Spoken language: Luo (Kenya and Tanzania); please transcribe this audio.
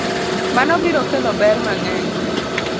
Mano biro kelo ber mang'eny